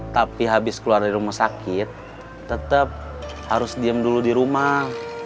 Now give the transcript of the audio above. tapi habis keluar dari rumah sakit tetap harus diem dulu di rumah